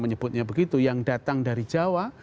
menyebutnya begitu yang datang dari jawa